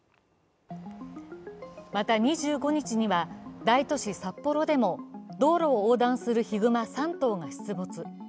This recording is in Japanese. また、２５日には大都市・札幌でも道路を横断するヒグマ３頭が出没。